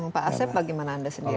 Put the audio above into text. pak asep bagaimana anda sendiri